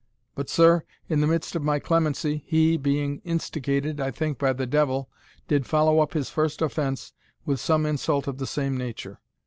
But, sir, in the midst of my clemency, he, being instigated, I think, by the devil, did follow up his first offence with some insult of the same nature.